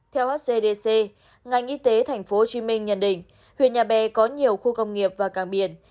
theo hcdc ngành y tế tp hcm nhận định huyện nhà bè có nhiều khu công nghiệp và càng biển